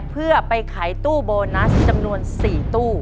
เพื่อไปขายตู้โบนัสจำนวน๔ตู้